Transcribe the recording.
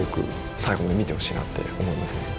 最後まで見てほしいなって思いますね。